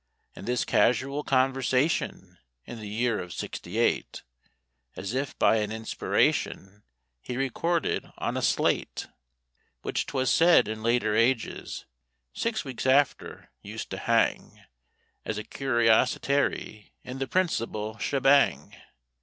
'" And this casual conversation in the year of Sixty eight, As if by an inspiration he recorded on a slate, Which 'twas said in later ages—six weeks after—used to hang As a curiositary in the principal shebang.